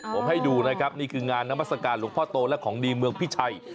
ผมให้ดูนะครับนี่คืองานนามัศกาลหลวงพ่อโตและของดีเมืองพิชัย